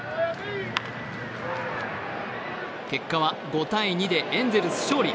結果は５−２でエンゼルス勝利。